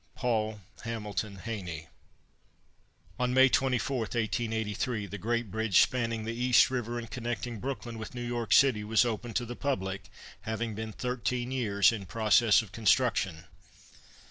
PAUL HAMILTON HAYNE. On May 24, 1883, the great bridge spanning the East River and connecting Brooklyn with New York City was opened to the public, having been thirteen years in process of construction.